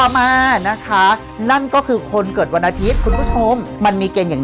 มานะคะนั่นก็คือคนเกิดวันอาทิตย์คุณผู้ชมมันมีเกณฑ์อย่างนี้